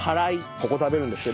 ここ食べるんですけど。